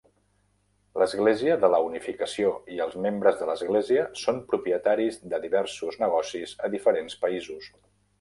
L'Església de la Unificació i els membres de l'església són propietaris de diversos negocis a diferents països.